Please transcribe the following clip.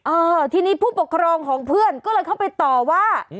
เออทีนี้ผู้ปกครองของเพื่อนก็เลยเข้าไปต่อว่า